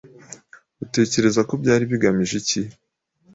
Utekereza ko byari bigamije iki?